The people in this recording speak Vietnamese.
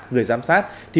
người giám sát